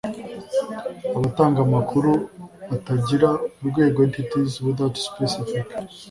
abatanga amakuru batagira urwego entities without specific